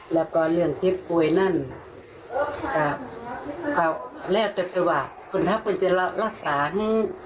แล้วก็เรื่องเจ็บป่วยนั่นแรกไปต่อมาคนทัพไปจะรักษาค่ะ